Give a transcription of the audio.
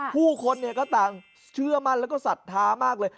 ผู้คนก็ต่างเชื่อมั่นแล้วก็ศรัทธามากเลย